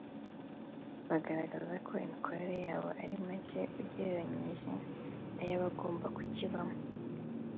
bagaragaza ko amikoro yabo ari make ugereranyije n’ay’abagomba kukibamo